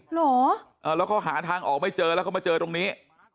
เหรอแล้วเขาหาทางออกไม่เจอแล้วเขามาเจอตรงนี้